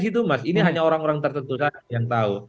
gitu mas ini hanya orang orang tertentu saja yang tahu